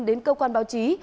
đến cơ quan báo chí